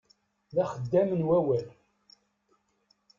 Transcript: D axeddam d wawal.